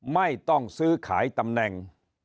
ไม่ต้องซื้อขายตำแหน่ง